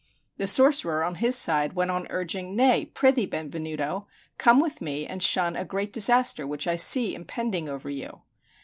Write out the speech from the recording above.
The sorcerer on his side went on urging, "Nay, prithee, Benvenuto, come with me and shun a great disaster which I see impending over you."